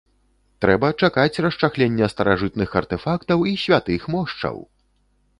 Трэба чакаць расчахлення старажытных артэфактаў і святых мошчаў!